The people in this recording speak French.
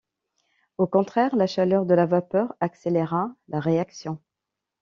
Au contraire, la chaleur de la vapeur accéléra la réaction.